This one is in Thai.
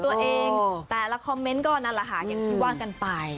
ตัวเองแต่ละคอมเมนต์ก็นั่นแหละค่ะอย่างที่ว่ากันไป